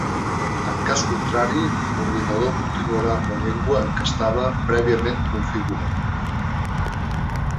En cas contrari, l’ordinador continuarà amb la llengua en què estava prèviament configurat.